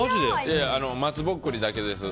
松ぼっくりだけです。